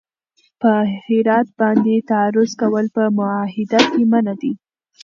پر هرات باندې تعرض کول په معاهده کي منع دي.